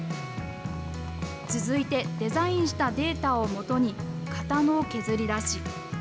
続いて、デザインしたデータを基に、型の削り出し。